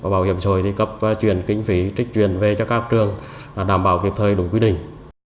bảo hiểm xã hội cấp chuyển kinh phí trích chuyển về cho các trường đảm bảo kịp thời đủ quy định